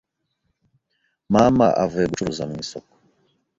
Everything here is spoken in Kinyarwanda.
mama avuye gucuruza mu isoko